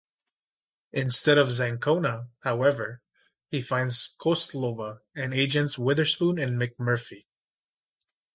Instead of Zancona, however, he finds Koslova and Agents Witherspoon and McMurphy.